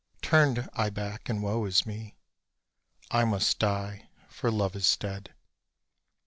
Turned I back and woe is me I must die for Love is dead.